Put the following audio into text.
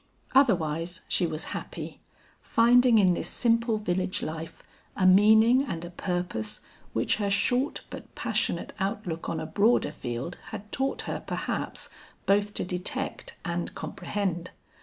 Otherwise she was happy; finding in this simple village life a meaning and a purpose which her short but passionate outlook on a broader field, had taught her, perhaps, both to detect and comprehend.